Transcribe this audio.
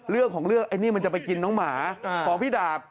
เรื่องของเรื่องไอ้นี่มันจะไปกินน้องหมาของพี่ดาบ